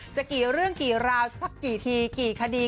จะกี่เรื่องกี่ราวสักกี่ทีกี่คดี